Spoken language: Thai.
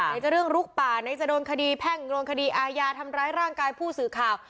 ไหนจะเรื่องลุกป่าไหนจะโดนคดีแพ่งโดนคดีอาญาทำร้ายร่างกายผู้สื่อข่าว